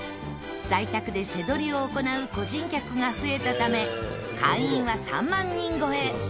在宅でせどりを行う個人客が増えたため会員は３万人超え。